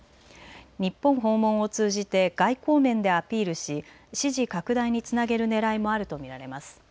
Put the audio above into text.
日本訪問を通じて外交面でアピールし支持拡大につなげるねらいもあると見られます。